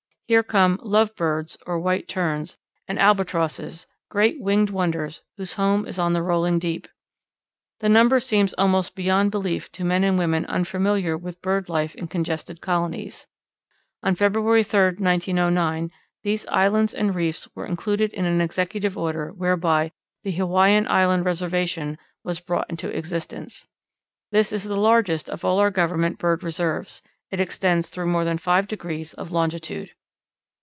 Here come "Love Birds" or White Terns, and Albatrosses, great winged wonders whose home is on the rolling deep. The number seems almost beyond belief to men and women unfamiliar with bird life in congested colonies. On February 3, 1909, these islands and reefs were included in an executive order whereby the "Hawaiian Island Reservation" was brought into existence. This is the largest of all our Government bird reserves. It extends through more than five degrees of longitude.